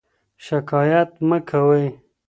شکایت مه کوئ.